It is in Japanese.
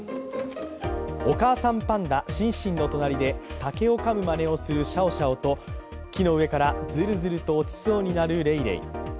お母さんパンダ、シンシン隣で竹をかむまねをするシャオシャオと木の上からずるずると落ちそうになるレイレイ。